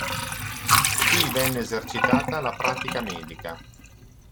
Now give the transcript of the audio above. Qui venne esercitata la pratica medica.